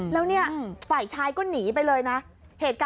แล้วเนี่ยฝ่ายชายก็หนีไปเลยนะ